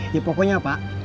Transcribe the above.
ya pokoknya pak